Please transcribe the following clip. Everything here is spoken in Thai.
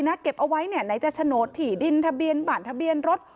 เก็บเอาไว้เนี่ยไหนจะโฉนดถี่ดินทะเบียนบ่านทะเบียนรถ